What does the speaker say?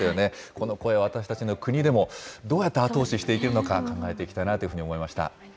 この声は私たちの国でも、どうやって後押ししていけるのか、考えていきたいなというふうに思いました。